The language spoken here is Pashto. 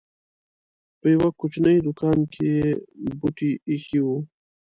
په يوه کوچنۍ دوکان کې یې بوټي اېښي وو.